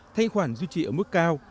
thách khoản duy trì ở mức cao